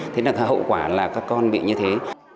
thế là hậu quả là các con bị như thế